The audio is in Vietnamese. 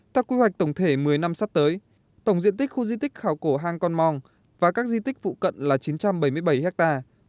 theo quy hoạch tổng thể một mươi năm sắp tới tổng diện tích khu di tích khảo cổ hàng con mong và các di tích phụ cận là chín trăm bảy mươi bảy hectare